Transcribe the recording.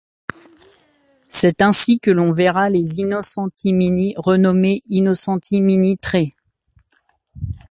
C'est ainsi que l'on verra les Innocenti Mini renommées Innocenti Mini Tre.